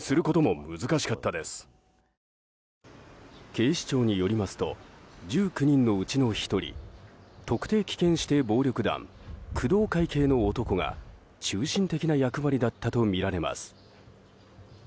警視庁によりますと１９人のうちの１人特定危険指定暴力団工藤会系の男が中心的な役割だったとみられます。